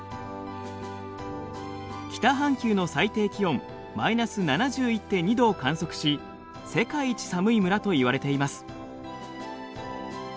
北半球の最低気温マイナス７１．２度を観測し世界一寒い村といわれています。